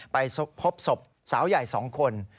ไปพบศพสาวใหญ่๒คน